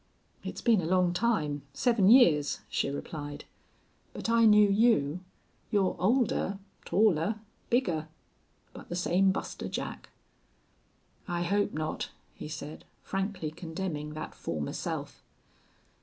"It's been a long time. Seven years," she replied. "But I knew you. You're older, taller, bigger, but the same Buster Jack." "I hope not," he said, frankly condemning that former self.